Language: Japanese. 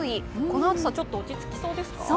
この暑さ、ちょっと落ち着きそうですか？